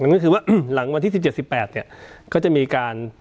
ก็คือว่าหลังวันที่สิบเจ็ดสิบแปดก็จะมีการ